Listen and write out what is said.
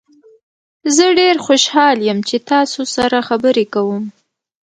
زه ډیر خوشحال یم چې تاسو سره خبرې کوم.